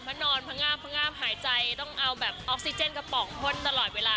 เพราะนอนพง่ามพง่ามหายใจต้องเอาแบบออกซิเจนกระป๋องพ่นตลอดเวลา